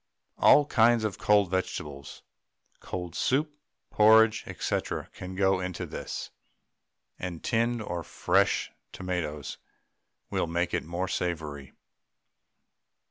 All kinds of cold vegetables, cold soup, porridge, &c., can go into this, and tinned or fresh tomatoes will make it more savoury.